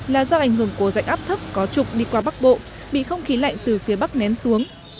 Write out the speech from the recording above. là do ảnh hưởng của rãnh áp thấp có trục đi qua bắc bộ bị không khí lạnh từ phía bắc nén xuống